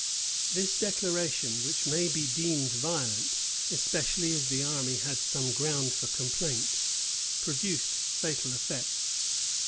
This declaration, which may be deemed violent, especially as the army had some ground for complaint, produced fatal effects.